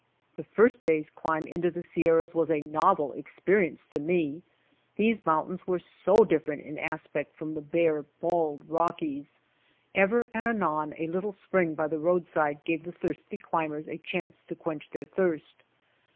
This first day's climb into the Sierras was a novel experience to me. These mountains were so different in aspect from the bare bald Rockies. Ever and anon a little spring by the roadside gave the thirsty climb ers a chance to quench their thirst.